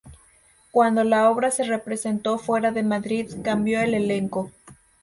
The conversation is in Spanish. Cuando la obra se representó fuera de Madrid, cambió el elenco.